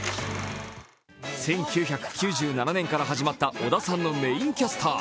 １９９７年から始まった織田さんのメインキャスター。